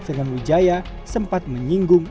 dengan wijaya sempat menyinggung